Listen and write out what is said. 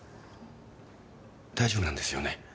大丈夫なんですよね？